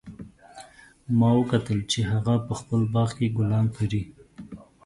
ما وکتل چې هغه په خپل باغ کې ګلان کري